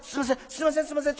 すいませんすいません。